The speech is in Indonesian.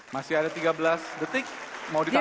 masih ada tiga belas detik mau ditambah